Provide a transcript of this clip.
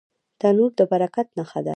تنور د برکت نښه ده